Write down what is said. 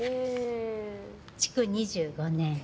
築２５年。